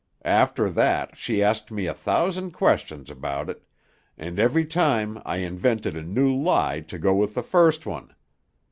After that she asked me a thousand questions about it, and every time I invented a new lie to go with the first one.